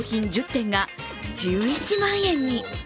品１０点が１１万円に。